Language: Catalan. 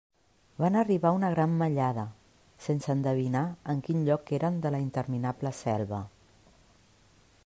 Van arribar a una gran mallada, sense endevinar en quin lloc eren de la interminable selva.